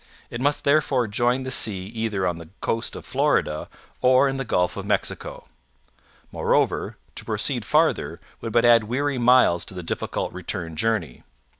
It must therefore join the sea either on the coast of Florida or in the Gulf of Mexico. Moreover, to proceed farther would but add weary miles to the difficult return journey.